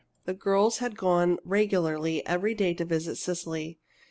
The girls had gone regularly every day to visit Cecily.